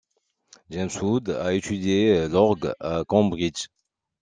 James Wood a étudié l'orgue à Cambridge.